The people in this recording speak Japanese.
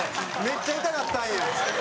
めっちゃ痛かったんや。